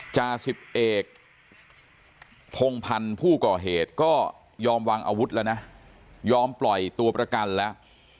จาสิบเอกพงพันธ์ผู้ก่อเหตุก็ยอมวางอาวุธแล้วนะยอมปล่อยตัวประกันแล้ว